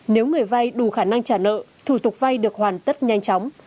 nếu người vay đủ khả năng trả nợ thủ tục vay được hoàn tất nhanh chóng